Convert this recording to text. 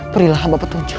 berilah abad petunjuk